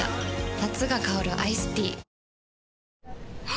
夏が香るアイスティーあ！